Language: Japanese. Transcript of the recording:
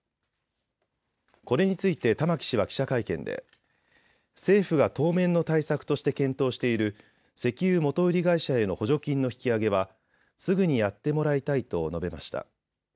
これについて玉木氏は記者会見で政府が当面の対策として検討している石油元売り会社への補助金の引き上げはすぐにやってもらいたいと述べました。